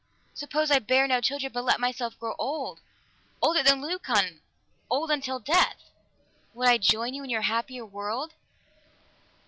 Suppose I bear no child, but let myself grow old, older than Leucon, old until death. Would I join you in your happier world?"